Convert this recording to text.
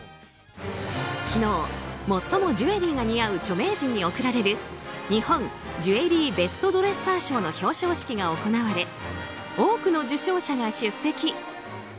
昨日最もジュエリーが似合う著名人に贈られる日本ジュエリーベストドレッサー賞の表彰式が行われ多くの受賞者が出席。